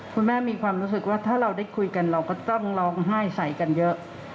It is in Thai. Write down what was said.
คุณแม่มีความรู้สึกว่าถ้าเราได้คุยกันเราก็ต้องร้องไห้ใส่กันเยอะ